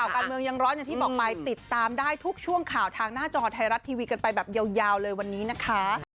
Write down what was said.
การเมืองยังร้อนอย่างที่บอกไปติดตามได้ทุกช่วงข่าวทางหน้าจอไทยรัฐทีวีกันไปแบบยาวเลยวันนี้นะคะ